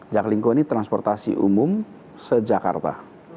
juggling code ini transportasi umum sejak kata